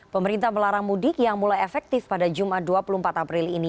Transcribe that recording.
pemerintah melarang mudik yang mulai efektif pada jumat dua puluh empat april ini